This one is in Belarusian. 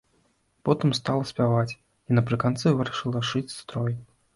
Потым стала спяваць, і напрыканцы вырашыла шыць строй.